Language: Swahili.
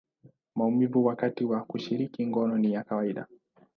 maumivu wakati wa kushiriki ngono ni ya kawaida.